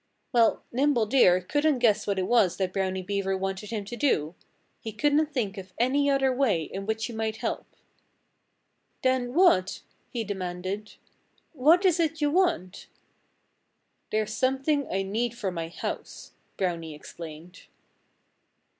Well, Nimble Deer couldn't guess what it was that Brownie Beaver wanted him to do. He couldn't think of any other way in which he might help. "Then what " he demanded "what is it you want?" "There's something I need for my house," Brownie explained.